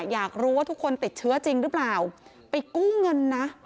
อยากรู้ว่าทุกคนติดเชื้อจริงหรือเปล่าไปกู้เงินนะ